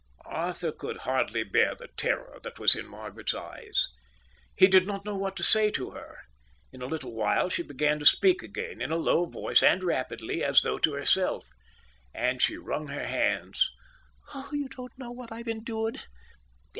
Arthur could hardly bear the terror that was in Margaret's eyes. He did not know what to say to her. In a little while she began to speak again, in a low voice and rapidly, as though to herself, and she wrung her hands. "Oh, you don't know what I've endured!